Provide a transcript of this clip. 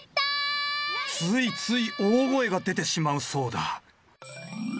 ついつい大声が出てしまうそうだ